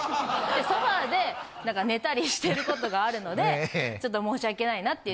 でソファで寝たりしてることがあるのでちょっと申し訳ないなって。